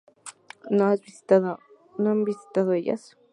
¿No han visitado ellas?